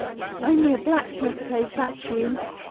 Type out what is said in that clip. ] "Only a blacksmith plays that tune!"